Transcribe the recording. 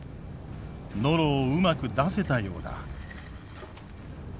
ノロをうまく出せたようだ。